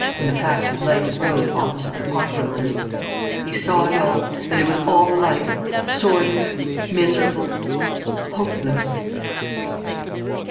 in the patch of lighted road opposite the pawnbroker's. He saw it all; and it was all alike sordid, miserable, hopeless.